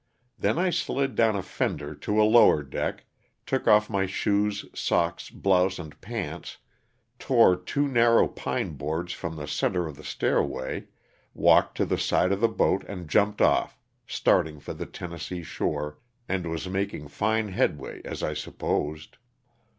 Then I slid down a fender to a lower deck, took oif my shoes, socks, blouse and pants, tore two narrow pine boards from the center of the stairway, walked to the side of the boat and jumped off, starting for the Ten nessee shore, and was making fine headway as I sup posed.